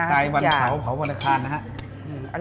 ใครวันเผาเผาบรรคานะฮะ